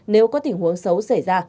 nếu có tình huống xấu xảy ra